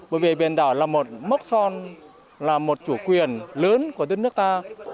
bởi vì biển đảo là một mốc son là một chủ quyền lớn của đất nước ta